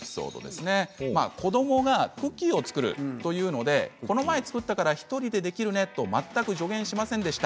子どもが「クッキーを作る！」と言うので「この前作ったから１人でできるね」と全く助言しませんでした。